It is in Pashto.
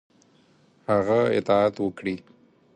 هغه اطاعت وکړي.